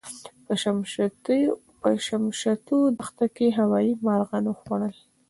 په شمشتو دښته کې هوايي مرغانو وخوړل.